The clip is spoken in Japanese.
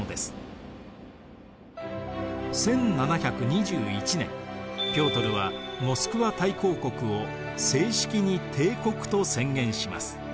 １７２１年ピョートルはモスクワ大公国を正式に帝国と宣言します。